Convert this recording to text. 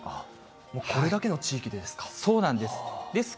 もうこれだけの地域でですか。